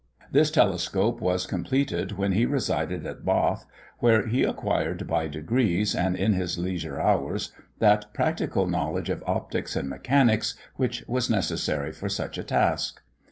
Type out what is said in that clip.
This telescope was completed when he resided at Bath, where he acquired by degrees, and in his leisure hours, that practical knowledge of optics and mechanics which was necessary for such a task.